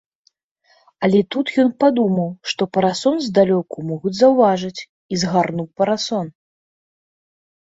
Але тут ён падумаў, што парасон здалёку могуць заўважыць і згарнуў парасон.